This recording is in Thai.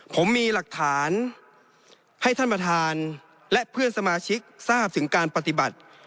ผมมีหลักฐานให้ท่านประธานและเพื่อนสมาชิกทราบถึงการปฏิบัติ